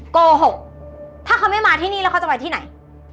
โกหกถ้าเขาไม่มาที่นี่แล้วเขาจะไปที่ไหน